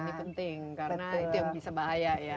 ini penting karena itu yang bisa bahaya ya